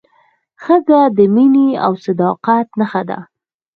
ښځه د مینې او صداقت نښه ده.